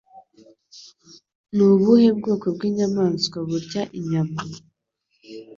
Ni ubuhe bwoko bw'inyamaswa burya inyama